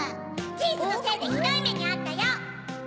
チーズのせいでひどいめにあったよ！